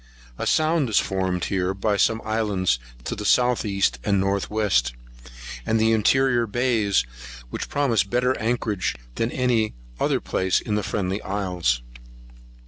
A sound is formed here by some islands to the south east and north west, and interior bays, which promises better anchorage than any other place in the Friendly Isles.